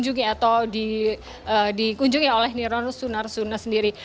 dan ini juga dikunjungi atau dikunjungi oleh niron sunarsuna sendiri